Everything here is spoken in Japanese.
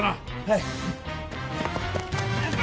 はい。